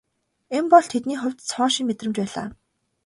Энэ бол тэдний хувьд цоо шинэ мэдрэмж байлаа.